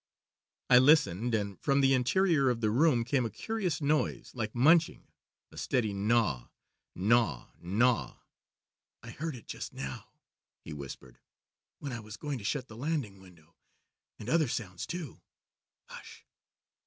"I listened, and from the interior of the room came a curious noise like munching a steady gnaw, gnaw, gnaw. 'I heard it just now,' he whispered, 'when I was going to shut the landing window and other sounds, too. Hush!'